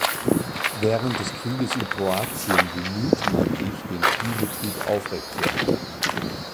Während des Krieges in Kroatien bemühte man sich den Spielbetrieb aufrechtzuerhalten.